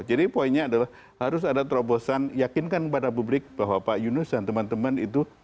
jadi poinnya adalah harus ada terobosan yakinkan kepada publik bahwa pak yunus dan teman teman itu